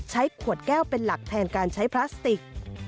ใช้ขวดแก้วเป็นหลักแทนการใช้พลาสติก